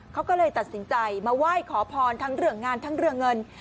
เขาก็เลยตัดสินใจมาไหว้ขอพรทั้งเรื่องงานทั้งเรื่องเงิน